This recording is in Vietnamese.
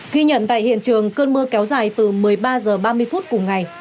ghi nhận tại hiện trường cơn mưa kéo dài từ một mươi ba h ba mươi phút cùng ngày